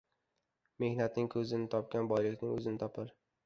Mehnatning ko'zini topgan, boylikning o'zini topar.